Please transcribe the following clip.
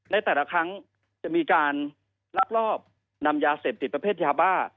ในแต่ละครั้งจะมีการลักลอบนำยาเสพติดประเภทยาบ้า